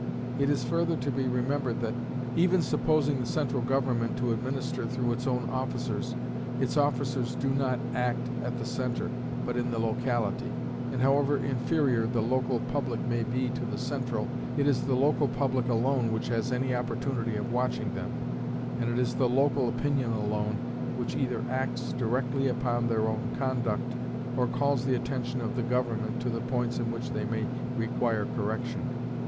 It is further to be remembered that, even supposing the central government to administer through its own officers, its officers do not act at the centre, but in the locality; and however inferior the local public may be to the central, it is the local public alone which has any opportunity of watching them, and it is the local opinion alone which either acts directly upon their own conduct, or calls the attention of the government to the points in which they may require correction.